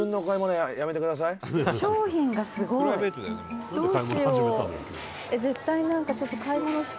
矢田：「商品がすごい！どうしよう」